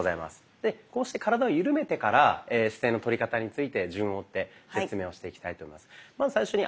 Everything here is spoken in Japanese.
でこうして体を緩めてから姿勢のとり方について順を追って説明をしていきたいと思います。